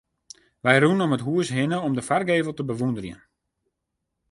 Wy rûnen om it hûs hinne om de foargevel te bewûnderjen.